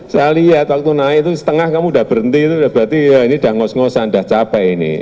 saya lihat waktu naik itu setengah kamu udah berhenti berarti ya ini udah ngos ngosan udah capek ini